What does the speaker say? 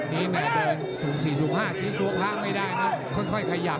น้ำหนักสบายเลย